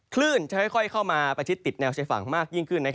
คลื่นจะค่อยเข้ามาประชิดติดแนวชายฝั่งมากยิ่งขึ้น